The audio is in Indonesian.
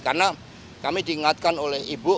karena kami diingatkan oleh ibu